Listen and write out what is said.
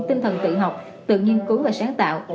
tinh thần tự học tự nghiên cứu và sáng tạo